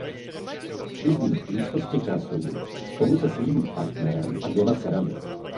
Bydlí v blízkosti Krasu spolu se svým partnerem a dvěma dcerami.